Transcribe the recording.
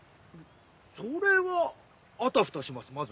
それはあたふたします